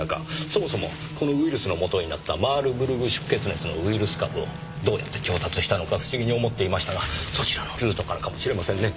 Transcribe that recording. そもそもこのウイルスの元になったマールブルグ出血熱のウイルス株をどうやって調達したのか不思議に思っていましたがそちらのルートからかもしれませんね。